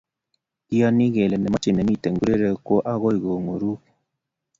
kiiyani kole ne mechei ne mito kurere ko agoi ko ng'uruko